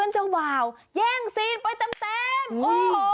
เจ้าบ่าวเั่งซีนน์ไปแต้มโอ๊ย